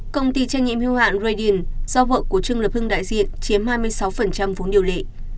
công ty trang nhiệm hưu hạng radiant do vợ của trương lập hưng đại diện chiếm hai mươi sáu vốn điều lệ